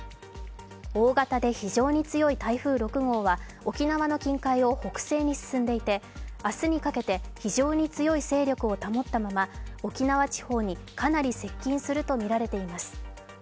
大型で非常に強い台風６号は沖縄の近海を北西に進んでいて明日にかけて非常に強い勢力を保ったまま沖縄地方にかなり接近するとみられています。